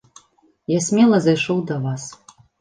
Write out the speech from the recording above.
Я смела зайшоў да вас.